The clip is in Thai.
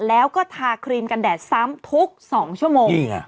แล้วก็ทาครีมกันแดดซ้ำทุก๒ชั่วโมง